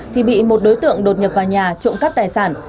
thì bị một đối tượng đột nhập vào nhà trộm cắp tài sản